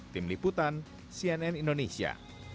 tim liputan cnn indonesia